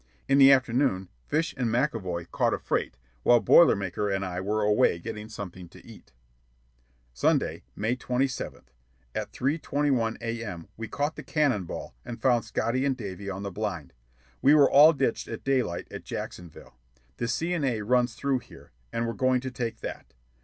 In the afternoon Fish and McAvoy caught a freight while Boiler Maker and I were away getting something to eat. "Sunday, May 27th. At 3.21 A.M. we caught the Cannonball and found Scotty and Davy on the blind. We were all ditched at daylight at Jacksonville. The C. & A. runs through here, and we're going to take that.